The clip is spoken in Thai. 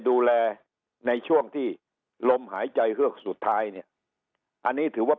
ในช่วงที่ลมหายใจเฮือกสุดท้ายเนี่ยอันนี้ถือว่า